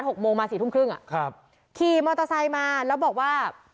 หกโมงมา๑๐๓๐อะครับขี่มอเตอร์ไซค์มาแล้วบอกว่า